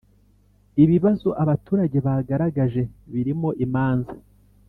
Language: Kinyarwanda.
ibibazo Abaturage bagaragaje birimo imanza